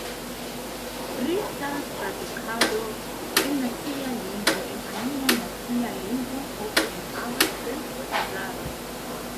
Rekta tradukado el nacia lingvo en alian nacian lingvon ofte enhavas senco-erarojn.